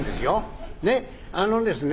あのですね